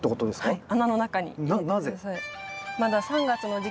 はい。